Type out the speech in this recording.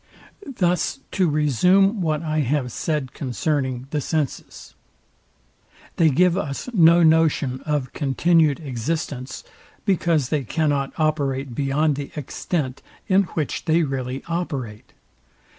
Thus to resume what I have said concerning the senses; they give us no notion of continued existence, because they cannot operate beyond the extent, in which they really operate.